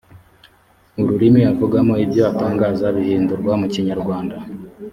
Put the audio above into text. ururimi avugamo ibyo atangaza bihindurwa mukinyarwanda